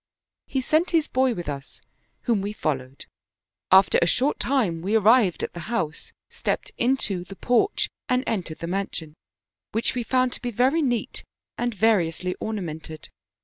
*" He sent his boy with us, whom we followed ; after a short time we arrived at the house, stepped into the porch and entered the mansion, which we found to be very neat and variously ornamented.